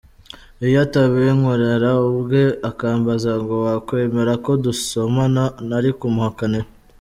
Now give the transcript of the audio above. Iyo atabinkorera ubwe akambaza ngo ‘wakwemera ko dusomana?’ , nari kumuhakanira.